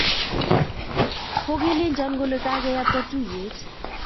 Kagelenjon kole kageapta tuiyet